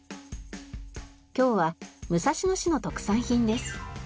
今日は武蔵野市の特産品です。